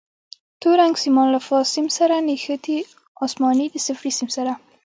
تور رنګ سیمان له فاز سیم سره نښتي، اسماني د صفري سیم سره.